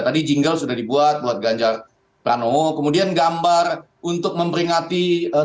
tadi jingle sudah dibuat buat ganjar pranowo kemudian gambar untuk memperingati